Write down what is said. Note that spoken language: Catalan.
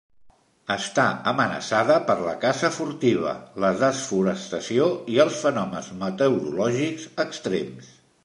Està amenaçada per la caça furtiva, la desforestació i els fenòmens meteorològics extrems.